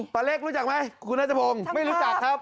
ป้าเล็กรู้จักไหมคุณนัทพงศ์ไม่รู้จักครับ